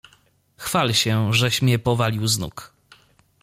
"Chwal się żeś mnie powalił z nóg."